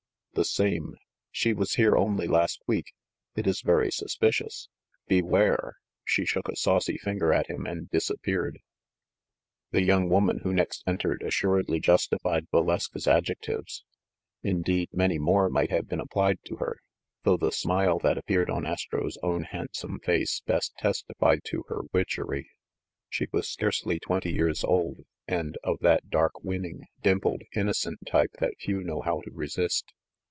"The same. She was here only last week. It is very suspicious ! Beware !" She shook a saucy finger at him and disappeared. The young woman who next entered assuredly justi fied Valeska's adjectives. Indeed, many more might have been applied to her, though the smile that ap peared on Astro's own handsome face best testified to her witchery. She was scarcely twenty years old, and of that dark, winning, dimpled, innocent type that few know how to resist.